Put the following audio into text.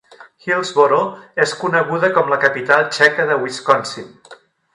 Hillsboro és coneguda com la capital txeca de Wisconsin.